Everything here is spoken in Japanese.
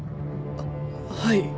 はい。